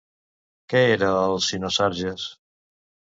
Què era el Cinosarges?